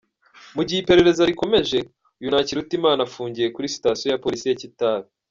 Mu gihe iperereza rikomeje, uyu Ntakirutimana afungiye kuri Sitasiyo ya Polisi ya Kitabi.